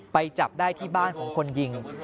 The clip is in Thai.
ไปจับได้ที่บ้านของคนยิง